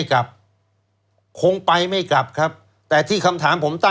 ก็คงไม่อยากจะมาแล้วล่ะ